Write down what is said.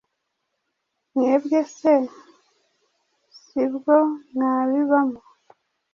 Mwebwe se sibwo mwabibamo